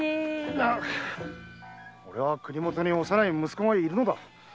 俺は国許に幼い息子がいるのだ。